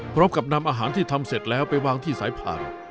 พร้อมกับนำอาหารที่ทำเสร็จแล้วไปวางที่สายผ่าน